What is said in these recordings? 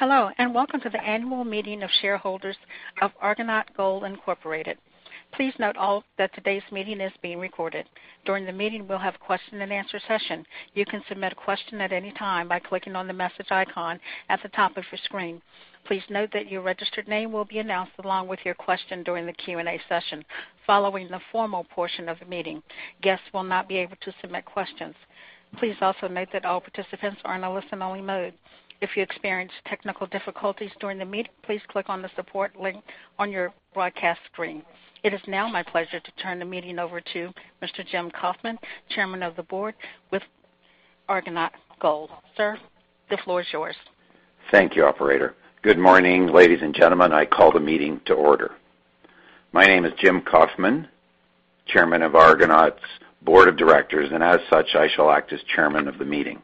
Hello, welcome to the annual meeting of shareholders of Argonaut Gold Incorporated. Please note that today's meeting is being recorded. During the meeting, we'll have a question and answer session. You can submit a question at any time by clicking on the message icon at the top of your screen. Please note that your registered name will be announced along with your question during the Q&A session, following the formal portion of the meeting. Guests will not be able to submit questions. Please also note that all participants are in a listen-only mode. If you experience technical difficulties during the meeting, please click on the support link on your broadcast screen. It is now my pleasure to turn the meeting over to Mr. Jim Kofman, Chairman of the Board with Argonaut Gold. Sir, the floor is yours. Thank you, operator. Good morning, ladies and gentlemen. I call the meeting to order. My name is Jim Kofman, Chairman of Argonaut's Board of Directors, and as such, I shall act as chairman of the meeting.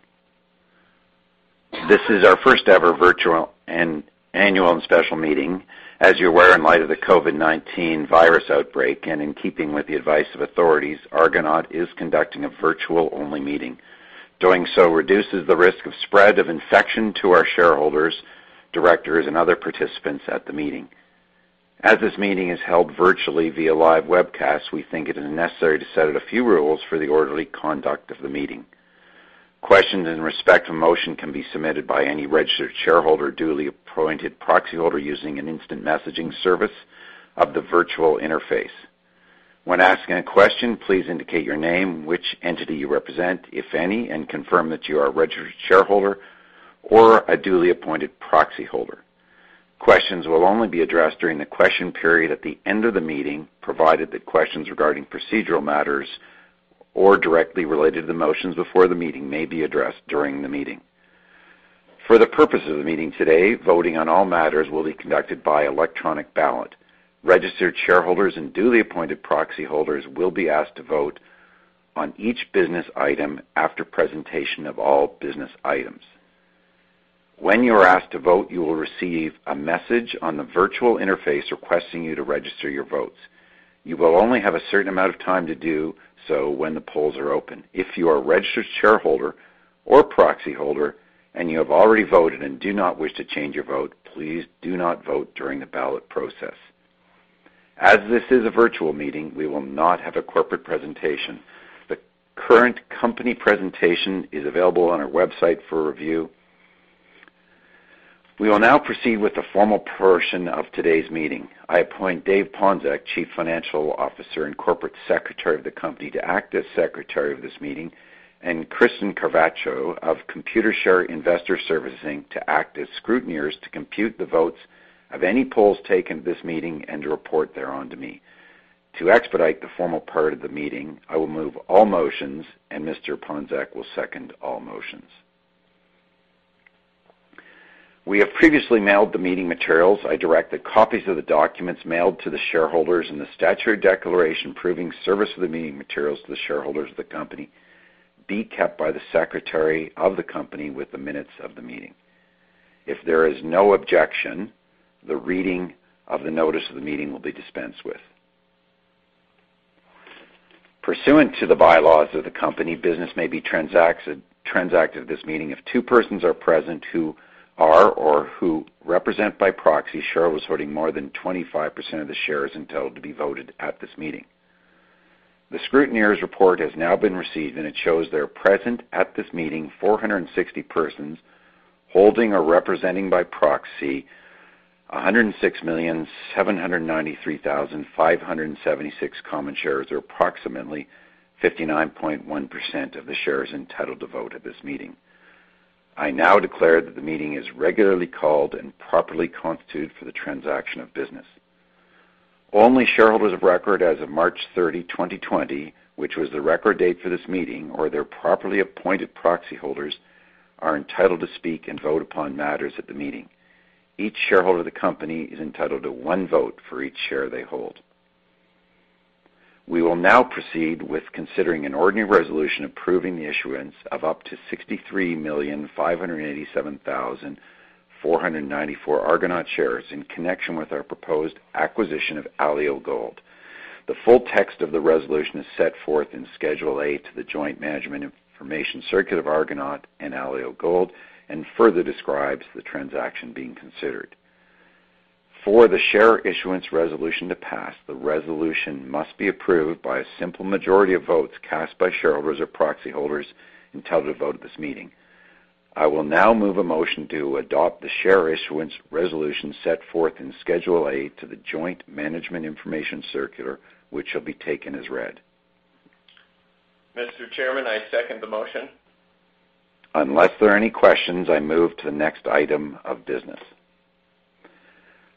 This is our first-ever virtual and annual and special meeting. As you're aware, in light of the COVID-19 virus outbreak, and in keeping with the advice of authorities, Argonaut is conducting a virtual-only meeting. Doing so reduces the risk of spread of infection to our shareholders, directors, and other participants at the meeting. As this meeting is held virtually via live webcast, we think it is necessary to set a few rules for the orderly conduct of the meeting. Questions in respect to motion can be submitted by any registered shareholder, duly appointed proxy holder using an instant messaging service of the virtual interface. When asking a question, please indicate your name, which entity you represent, if any, and confirm that you are a registered shareholder or a duly appointed proxy holder. Questions will only be addressed during the question period at the end of the meeting, provided that questions regarding procedural matters or directly related to the motions before the meeting may be addressed during the meeting. For the purpose of the meeting today, voting on all matters will be conducted by electronic ballot. Registered shareholders and duly appointed proxy holders will be asked to vote on each business item after presentation of all business items. When you are asked to vote, you will receive a message on the virtual interface requesting you to register your votes. You will only have a certain amount of time to do so when the polls are open. If you are a registered shareholder or proxy holder, and you have already voted and do not wish to change your vote, please do not vote during the ballot process. As this is a virtual meeting, we will not have a corporate presentation. The current company presentation is available on our website for review. We will now proceed with the formal portion of today's meeting. I appoint Dave Ponczoch, Chief Financial Officer and Corporate Secretary of the company, to act as Secretary of this meeting, and Kristen Carvacho of Computershare Investor Services to act as scrutineers to compute the votes of any polls taken at this meeting and to report thereon to me. To expedite the formal part of the meeting, I will move all motions, and Mr. Ponczoch will second all motions. We have previously mailed the meeting materials. I direct that copies of the documents mailed to the shareholders and the statutory declaration proving service of the meeting materials to the shareholders of the company be kept by the Secretary of the company with the minutes of the meeting. If there is no objection, the reading of the notice of the meeting will be dispensed with. Pursuant to the bylaws of the company, business may be transacted at this meeting if two persons are present who are or who represent by proxy shareholders holding more than 25% of the shares entitled to be voted at this meeting. The scrutineer's report has now been received, and it shows there are present at this meeting 460 persons holding or representing by proxy 106,793,576 common shares, or approximately 59.1% of the shares entitled to vote at this meeting. I now declare that the meeting is regularly called and properly constituted for the transaction of business. Only shareholders of record as of March 30, 2020, which was the record date for this meeting, or their properly appointed proxy holders, are entitled to speak and vote upon matters at the meeting. Each shareholder of the company is entitled to one vote for each share they hold. We will now proceed with considering an ordinary resolution approving the issuance of up to 63,587,494 Argonaut shares in connection with our proposed acquisition of Alio Gold. The full text of the resolution is set forth in Schedule B to the Joint Management Information Circular of Argonaut and Alio Gold, and further describes the transaction being considered. For the share issuance resolution to pass, the resolution must be approved by a simple majority of votes cast by shareholders or proxy holders entitled to vote at this meeting. I will now move a motion to adopt the share issuance resolution set forth in Schedule B to the Joint Management Information Circular, which shall be taken as read. Mr. Chairman, I second the motion. Unless there are any questions, I move to the next item of business.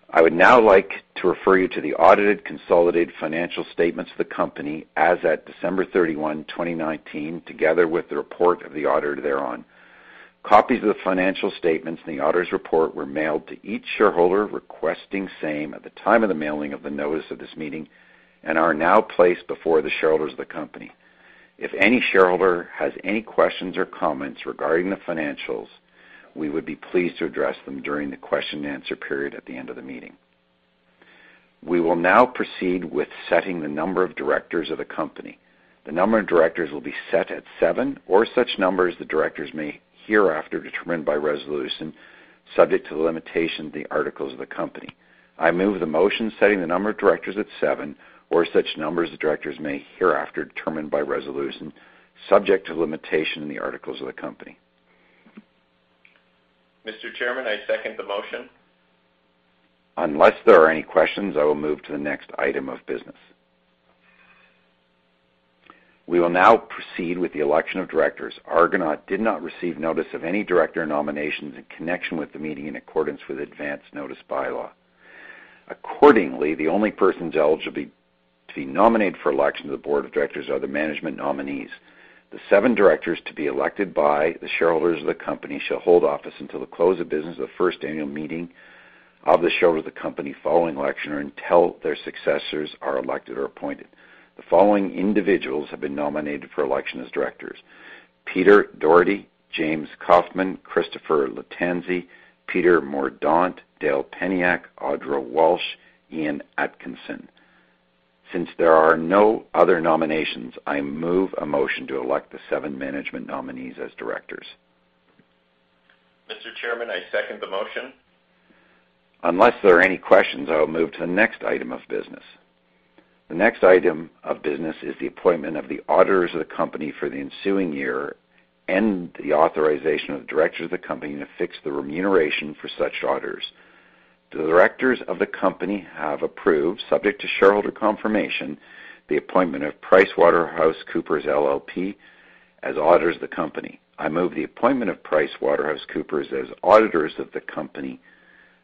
I would now like to refer you to the audited consolidated financial statements of the company as at December 31, 2019, together with the report of the auditor thereon. Copies of the financial statements and the auditor's report were mailed to each shareholder requesting same at the time of the mailing of the notice of this meeting and are now placed before the shareholders of the company. If any shareholder has any questions or comments regarding the financials, we would be pleased to address them during the question and answer period at the end of the meeting. We will now proceed with setting the number of directors of the company. The number of directors will be set at seven or such number as the directors may hereafter determine by resolution, subject to the limitation of the articles of the company. I move the motion setting the number of directors at seven or such number as the directors may hereafter determine by resolution, subject to the limitation in the articles of the company. Mr. Chairman, I second the motion. Unless there are any questions, I will move to the next item of business. We will now proceed with the election of directors. Argonaut did not receive notice of any director nominations in connection with the meeting in accordance with advance notice bylaw. Accordingly, the only persons eligible to be nominated for election to the board of directors are the management nominees. The seven directors to be elected by the shareholders of the company shall hold office until the close of business of the first annual meeting of the shareholders of the company following election or until their successors are elected or appointed. The following individuals have been nominated for election as directors: Peter Dougherty, Jim Kofman, Christopher Lattanzi, Peter Mordaunt, Dale Peniuk, Audra Walsh, Ian Atkinson. Since there are no other nominations, I move a motion to elect the seven management nominees as directors. Mr. Chairman, I second the motion. Unless there are any questions, I will move to the next item of business. The next item of business is the appointment of the auditors of the company for the ensuing year and the authorization of the directors of the company to fix the remuneration for such auditors. The directors of the company have approved, subject to shareholder confirmation, the appointment of PricewaterhouseCoopers LLP as auditors of the company. I move the appointment of PricewaterhouseCoopers as auditors of the company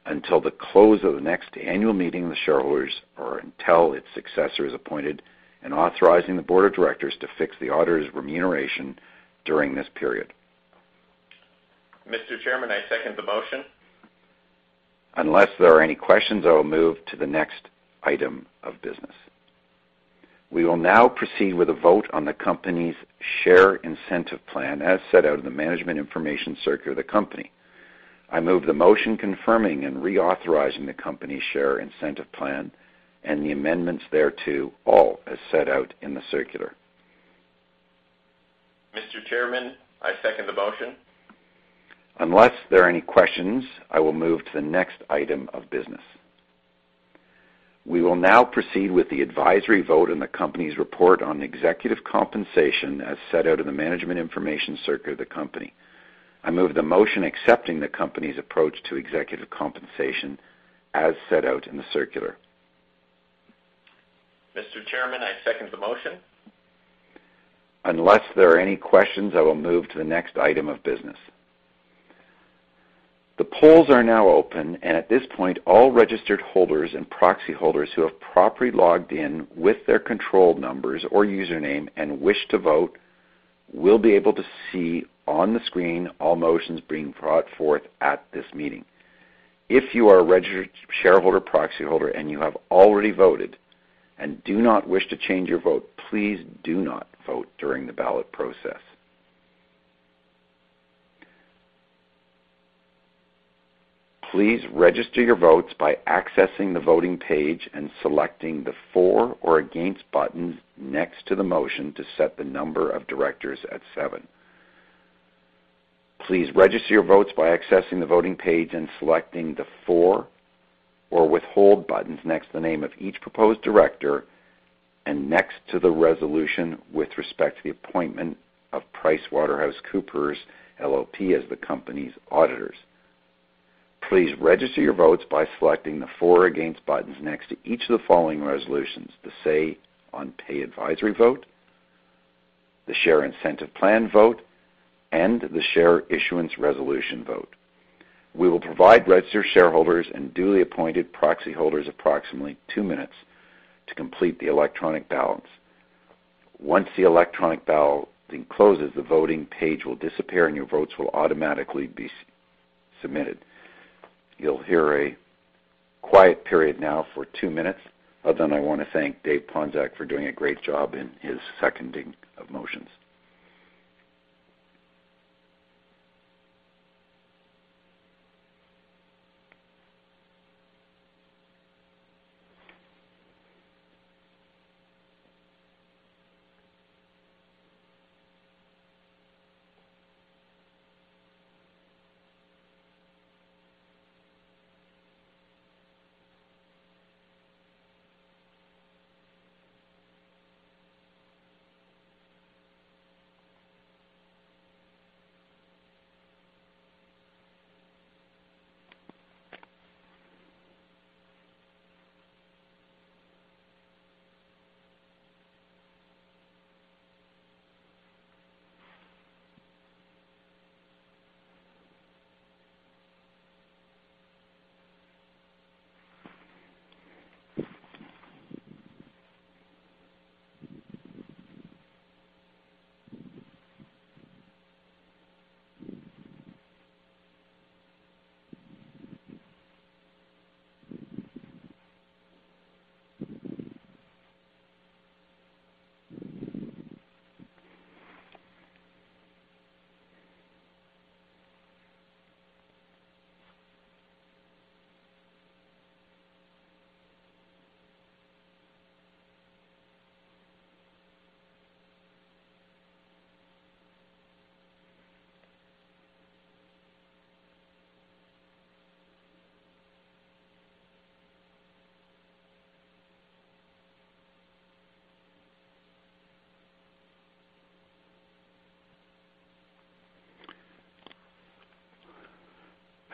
until the close of the next annual meeting of the shareholders or until its successor is appointed and authorizing the board of directors to fix the auditor's remuneration during this period. Mr. Chairman, I second the motion. Unless there are any questions, I will move to the next item of business. We will now proceed with a vote on the company's share incentive plan as set out in the management information circular of the company. I move the motion confirming and reauthorizing the company's share incentive plan and the amendments thereto, all as set out in the circular. Mr. Chairman, I second the motion. Unless there are any questions, I will move to the next item of business. We will now proceed with the advisory vote on the company's report on executive compensation as set out in the management information circular of the company. I move the motion accepting the company's approach to executive compensation as set out in the circular. Mr. Chairman, I second the motion. Unless there are any questions, I will move to the next item of business. The polls are now open, and at this point, all registered holders and proxy holders who have properly logged in with their control numbers or username and wish to vote will be able to see on the screen all motions being brought forth at this meeting. If you are a registered shareholder proxy holder and you have already voted and do not wish to change your vote, please do not vote during the ballot process. Please register your votes by accessing the voting page and selecting the For or Against buttons next to the motion to set the number of directors at seven. Please register your votes by accessing the voting page and selecting the For or Withhold buttons next to the name of each proposed director and next to the resolution with respect to the appointment of PricewaterhouseCoopers LLP as the company's auditors. Please register your votes by selecting the For or Against buttons next to each of the following resolutions, the say on pay advisory vote, the share incentive plan vote, and the share issuance resolution vote. We will provide registered shareholders and duly appointed proxy holders approximately two minutes to complete the electronic ballots. Once the electronic balloting closes, the voting page will disappear, and your votes will automatically be submitted. You'll hear a quiet period now for two minutes. Other than I want to thank Dave Ponczoch for doing a great job in his seconding of motions.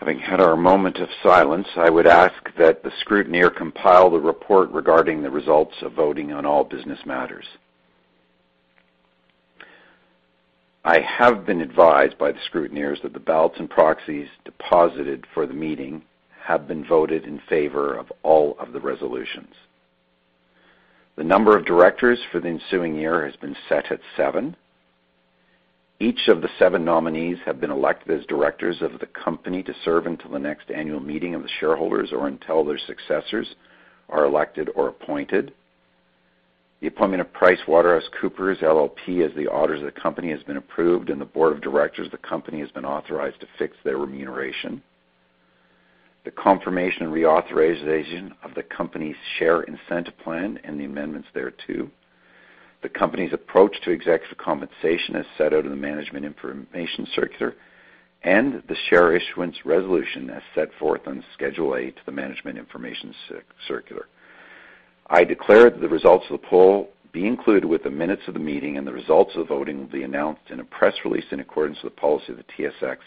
Having had our moment of silence, I would ask that the scrutineer compile the report regarding the results of voting on all business matters. I have been advised by the scrutineers that the ballots and proxies deposited for the meeting have been voted in favor of all of the resolutions. The number of directors for the ensuing year has been set at seven. Each of the seven nominees have been elected as directors of the company to serve until the next annual meeting of the shareholders or until their successors are elected or appointed. The appointment of PricewaterhouseCoopers LLP as the auditors of the company has been approved, and the board of directors of the company has been authorized to fix their remuneration. The confirmation and reauthorization of the company's share incentive plan and the amendments thereto, the company's approach to executive compensation as set out in the Management Information Circular, and the share issuance resolution as set forth on Schedule B to the Management Information Circular. I declare that the results of the poll be included with the minutes of the meeting, and the results of the voting will be announced in a press release in accordance with the policy of the TSX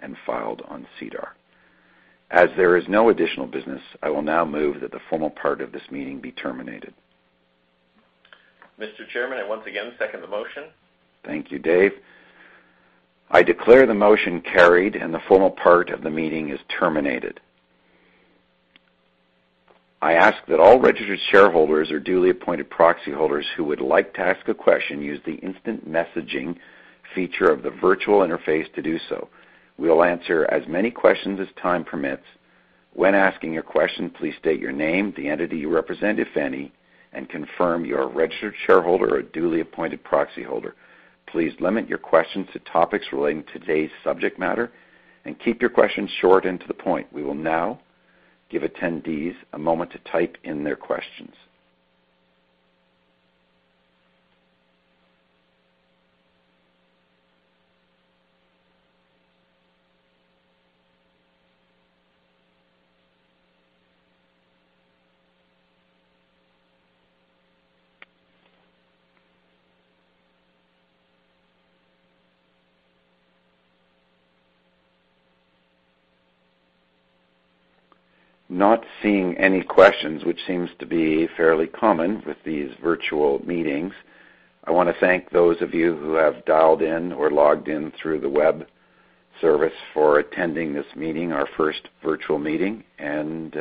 and filed on SEDAR. As there is no additional business, I will now move that the formal part of this meeting be terminated. Mr. Chairman, I once again second the motion. Thank you, Dave. I declare the motion carried and the formal part of the meeting is terminated. I ask that all registered shareholders or duly appointed proxy holders who would like to ask a question use the instant messaging feature of the virtual interface to do so. We'll answer as many questions as time permits. When asking a question, please state your name, the entity you represent, if any, and confirm you're a registered shareholder or a duly appointed proxy holder. Please limit your questions to topics relating to today's subject matter and keep your questions short and to the point. We will now give attendees a moment to type in their questions. Not seeing any questions, which seems to be fairly common with these virtual meetings. I want to thank those of you who have dialed in or logged in through the web service for attending this meeting, our first virtual meeting, and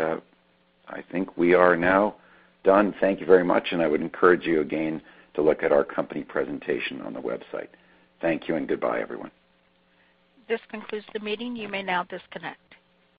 I think we are now done. Thank you very much, and I would encourage you again to look at our company presentation on the website. Thank you and goodbye, everyone. This concludes the meeting. You may now disconnect.